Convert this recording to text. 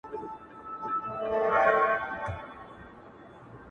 هينداره وي چي هغه راسي خو بارانه نه يې _